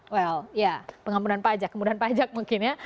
well ya pengampunan pajak kemudahan pajak mungkin ya